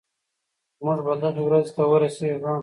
موږ به دغې ورځې ته ورسېږو.